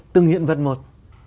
từng hiện vật một